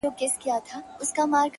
يوه غټ سترگي دومره لېونتوب ته رسيدلې!